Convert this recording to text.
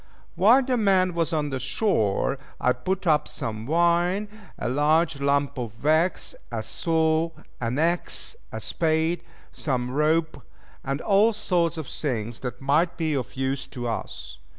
While the man was on shore I put up some wine, a large lump of wax, a saw, an axe, a spade, some rope, and all sorts of things that might be of use to us.